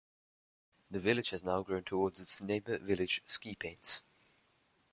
The village has now grown towards its neighbour-village Skipanes.